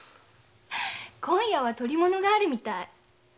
今夜は捕り物があるみたい。